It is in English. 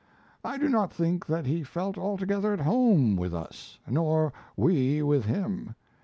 I do not think that he felt altogether at home with us, nor we with him.